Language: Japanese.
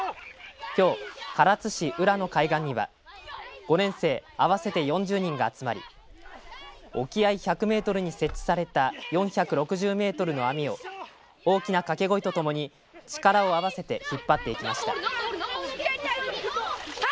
きょう、唐津市浦の海岸には５年生、合わせて４０人が集まり沖合１００メートルに設置された４６０メートルの網を大きな掛け声とともに力を合わせて引っ張っていきました。